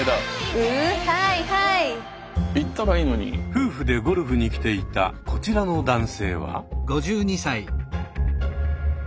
夫婦でゴルフに来ていたこちらの男性は。